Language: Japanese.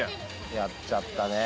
やっちゃったね。